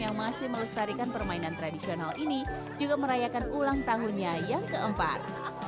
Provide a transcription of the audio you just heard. yang masih melestarikan permainan tradisional ini juga merayakan ulang tahunnya yang keempat